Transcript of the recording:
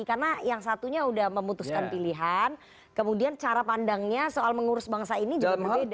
karena yang satunya sudah memutuskan pilihan kemudian cara pandangnya soal mengurus bangsa ini juga berbeda